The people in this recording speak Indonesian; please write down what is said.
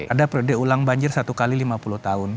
ada periode ulang banjir satu kali lima puluh tahun